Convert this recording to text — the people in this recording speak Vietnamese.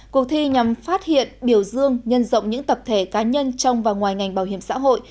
cuộc thi nhằm phát hiện biểu dương nhân rộng những tập thể cá nhân trong và ngoài ngành bảo hiểm xã hội